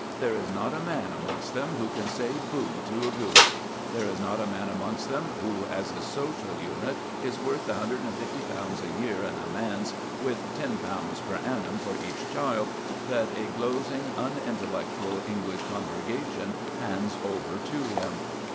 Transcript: There is not a man amongst them who can say boo to a goose. There is not a man amongst them who as a social unit is worth the £150 a year and a manse, with £10 per annum for each child, that a glozing, unintellectual English congregation hands over to him.